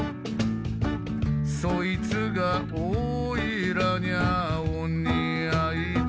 「そいつがおいらにゃお似合いで」